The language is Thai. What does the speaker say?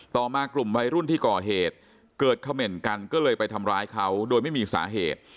ต่อมากลุ่มวัยรุ่นที่ก่อเหตุเกิดเขม่นกันก็เลยไปทำร้ายเขาโดยไม่มีสาเหตุ